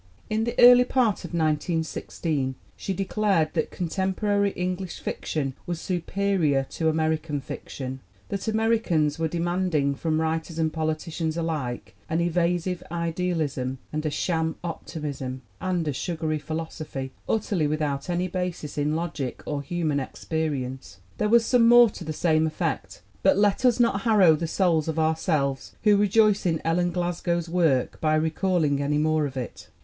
In the early part of 1916 she declared that contemporary English fiction was superior to American fiction, that Ameri cans were demanding from writers and politicians alike an "evasive idealism" and a "sham optimism" and "a sugary philosophy, utterly without any basis in logic or human experience." There was some more to the same effect, but let us not harrow the souls of ourselves who rejoice in Ellen Glasgow's work by recalling any more of it.